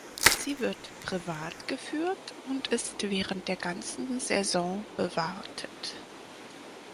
Sie wird privat geführt und ist während der ganzen Saison bewartet.